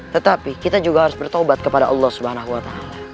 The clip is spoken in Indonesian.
tetapi kita juga harus bertobat kepada allah swt